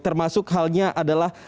termasuk halnya adalah